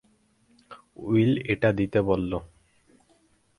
Will এটা দিতে বলল।